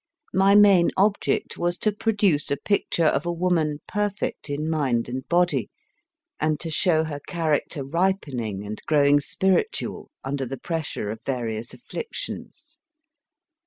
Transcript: My main object was to produce the picture of a woman perfect in mind and body, and to show THE HALL i 4 o MY FIRST BOOK her character ripening and growing spiritual, under the pressure of various afflictions.